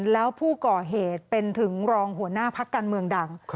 แล้วผู้ก่อเหตุเป็นถึงรองหัวหน้าพักการเมืองดัง